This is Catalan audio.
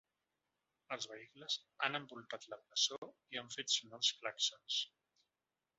Els vehicles han envoltat la presó i han fet sonar els clàxons.